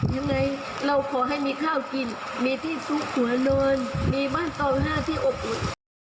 ยังไงเราขอให้มีข้าวกินมีที่ซุกหัวนอนมีบ้านเตาห้าที่อบอุ่น